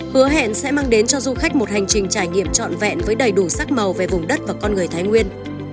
hứa hẹn sẽ mang đến cho du khách một hành trình trải nghiệm trọn vẹn với đầy đủ sắc màu về vùng đất và con người thái nguyên